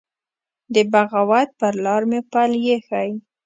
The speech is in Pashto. د بغاوت پر لار مي پل يښی